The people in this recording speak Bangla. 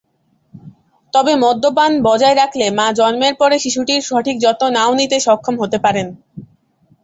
তবে মদ্যপান বজায় রাখলে মা জন্মের পরে শিশুটির সঠিক যত্ন নাও নিতে সক্ষম হতে পারেন।